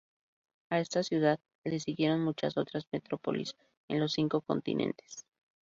A esta ciudad le siguieron muchas otras metrópolis en los cinco continentes.